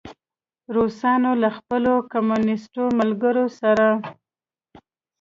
روسانو له خپلو کمونیسټو ملګرو سره.